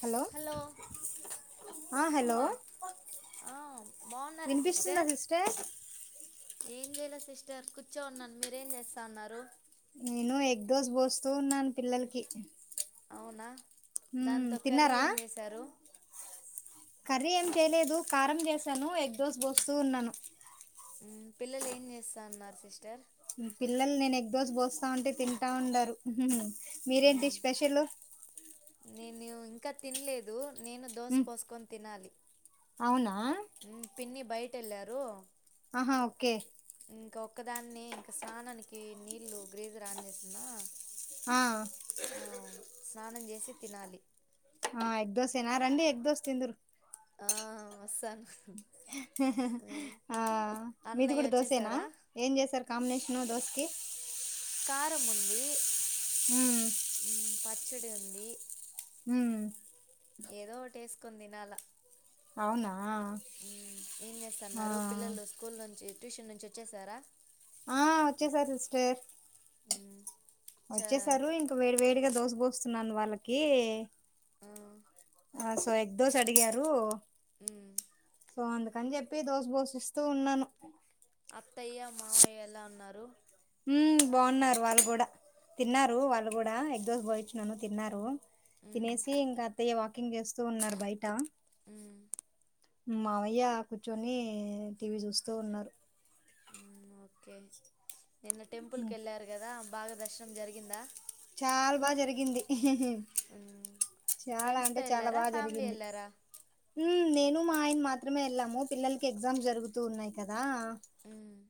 Hello ఆ hello ఆ వినిపిస్తుందా సిస్టర్ ఏం చేయలే సిస్టర్ కూర్చో ఉన్నాను మీరేం చేస్తాన్నారు నేను ఎగ్ దోస్ పోస్తూ ఉన్నాను పిల్లలకి అవునా మ్మ్ దాంతో కర్రీ తిన్నారా ఏం చేసారు తెలేదు కారం చేశాను ఎగ్ దోస్ పోస్తూ ఉన్నాను పిల్లలు ఏం చేస్తాన్నారు సిస్టర్ మీ పిల్లలు నేను ఎగ్ దోస్ పోస్తా ఉంటే తింటా ఉండారు మీరేంటి మ్మ్, స్పెషల్ నేను ఇంకా తినలేదు నేను దోశ మ్మ్ పోసుకొని తినాలి అవునా పిన్ని బయట వెళ్ళారు ఆహా ఓకే ఇంకా ఒక్కదాన్ని ఇంకా స్నానానికి నీళ్లు గ్రేజర్ ఆన్ చేన్నా ఆ అవును స్నానం చే సి తినాలి ఆ ఎగ్ దోసే నా రండి ఎగ్ దోస తిందరు ఆ వస్తాను మ్మ్. ఆ మీది అన్నయ్య కూడా దోసేనా వచ్చేసారా ఏం చేసారు కాంబినేషన్ దోసు కే కారం ఉంది ఉ మ్మ్, పచ్చడి ఉంది ఉ ఏదో ఒకటి ఏసుకొని తినాల అవునా ఏం చేస్తున్నారు ఆ పిల్లలు స్కూల్ నుంచి ట్యూషన్ నుంచి వచ్చేసారా ఆ వచ్చేసారు సిస్టర్ మ్మ్, చ వచ్చేసారు ఇంకా వేడి వేడిగా దోశ పోస్తున్నాను వాళ్ళకి ఆ, ఆ సో ఎగ్ దోస్ అడిగారు ఉ సో అందుకని చెప్పి దోశ పోషిస్తూ ఉన్నాను అత్తయ్య మావయ్య ఎలా ఉన్నారు ఉమ్ బాగున్నారు వాళ్ళు కూడా తిన్నారు వాళ్ళు కూడా ఎక్దోజ భాయిచ్చినను తిన్నారు మ్మ్, తినేసి ఇంకా అత్తయ్య వాకింగ్ చేస్తూ ఉన్నారు బయట ఉమ్ మావయ్య కూర్చొని టీవీ చూస్తూ ఉన్నారు ఓకే నిన్న టెంపుల్కి ఉమ్, వెళ్ళారు కదా బాగా దర్శనం జరిగిందా చాలా బాగా జరిగింది మ్మ్. చాలా ఫ్రెండ్స్తో అంటే చాలా వెళ్ళారా బాగా ఫ్యామిలీ జరిగింది వెళ్ళారా ఉమ్ నేను ఆయన మాత్రమే వెళ్ళాము పిల్లలకి ఎగ్జామ్ జరుగుతూ ఉన్నాయి కదా ఉమ్